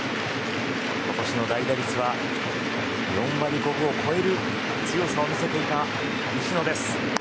今年の代打の打率は、４割５分を超える強さを見せた西野。